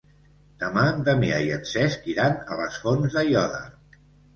Demà en Damià i en Cesc iran a les Fonts d'Aiòder.